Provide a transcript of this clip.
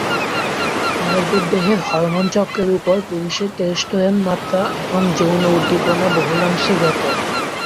নারীদের দেহের হরমোন চক্রের উপর পুরুষের টেস্টোস্টেরন মাত্রা এবং যৌন উদ্দীপনা বহুলাংশে জ্ঞাত।